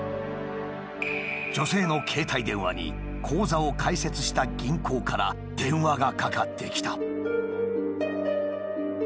女性の携帯電話に口座を開設した銀行から電話がかかってきた。